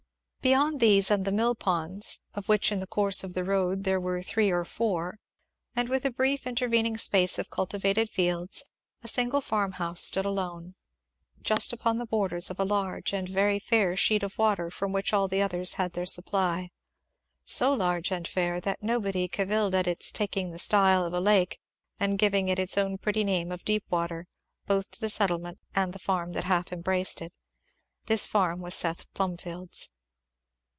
Beyond these and the mill ponds, of which in the course of the road there were three or four, and with a brief intervening space of cultivated fields, a single farm house stood alone; just upon the borders of a large and very fair sheet of water from which all the others had their supply. So large and fair that nobody cavilled at its taking the style of a lake and giving its own pretty name of Deepwater both to the settlement and the farm that half embraced it. This farm was Seth Plumfield's.